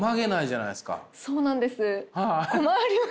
そうなんです。